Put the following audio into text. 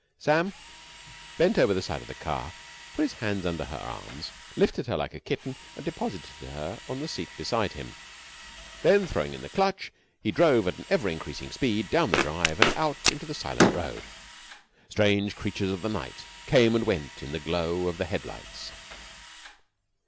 Sam bent over the side of the car, put his hands under her arms, lifted her like a kitten and deposited her on the seat beside him. Then throwing in the clutch, he drove at an ever increasing speed down the drive and out into the silent road. Strange creatures of the night came and went in the golden glow of the head lights.